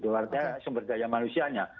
wartanya sumber daya manusianya